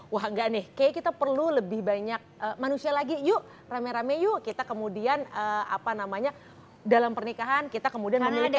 wah gak nih kayaknya kita perlu lebih banyak manusia lagi yuk rame rame yuk kita kemudian apa namanya dalam pernikahan kita kemudian memilih